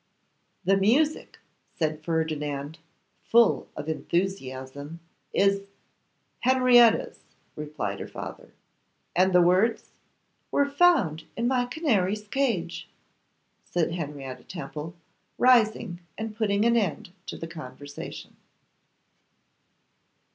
'The music,' said Ferdinand, full of enthusiasm, 'is ' 'Henrietta's,' replied her father. 'And the words?' 'Were found in my canary's cage,' said Henrietta Temple, rising and putting an end to the conversation.